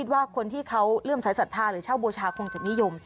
ว่าคนที่เขาเริ่มสายศรัทธาหรือเช่าบูชาคงจะนิยม